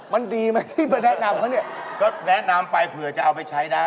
มันดีไหมที่มาแนะนำเขาเนี่ยก็แนะนำไปเผื่อจะเอาไปใช้ได้